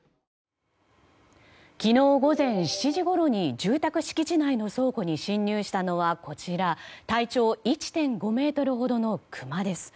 昨日午前７時ごろに住宅敷地内の倉庫に侵入したのは体長１．５ｍほどのクマです。